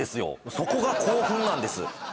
そこが興奮なんです